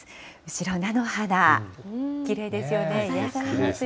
後ろの、菜の花、きれいですよね。